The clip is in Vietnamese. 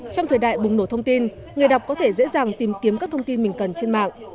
trong thời đại bùng nổ thông tin người đọc có thể dễ dàng tìm kiếm các thông tin mình cần trên mạng